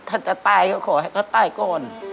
ถ้าจะตายก็ขอให้เขาตายก่อน